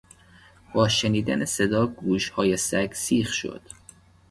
با شنیدن صدا گوشهای سگ سیخ شد.